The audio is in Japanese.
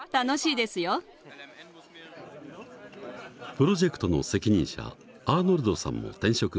プロジェクトの責任者アーノルドさんも転職組だ。